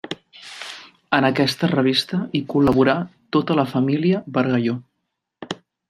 En aquesta revista hi col·laborà tota la família Bargalló.